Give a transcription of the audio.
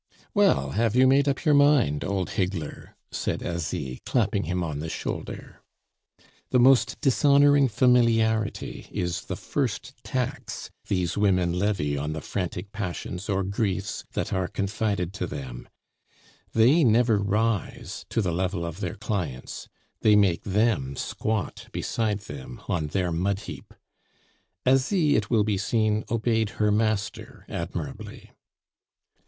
"Well, have you made up your mind, old higgler?" said Asie, clapping him on the shoulder. The most dishonoring familiarity is the first tax these women levy on the frantic passions or griefs that are confided to them; they never rise to the level of their clients; they make them seem squat beside them on their mudheap. Asie, it will be seen, obeyed her master admirably.